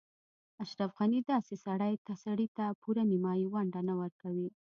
اشرف غني داسې سړي ته پوره نیمايي ونډه نه ورکوي.